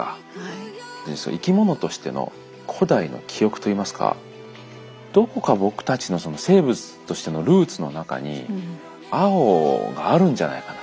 生き物としての古代の記憶といいますかどこか僕たちの生物としてのルーツの中に青があるんじゃないかなと思って。